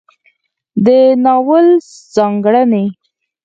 د ناول ځانګړنې